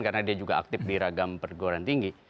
karena dia juga aktif di ragam perguruan tinggi